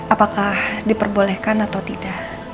apakah diperbolehkan atau tidak